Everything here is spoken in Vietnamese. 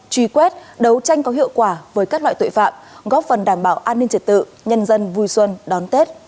truy quét đấu tranh có hiệu quả với các loại tội phạm góp phần đảm bảo an ninh trật tự nhân dân vui xuân đón tết